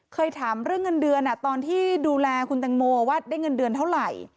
เคยถามเรื่องเงินเดือนตอนที่ดูแลคุณแตงโมว่าได้เงินเดือนเท่าไหร่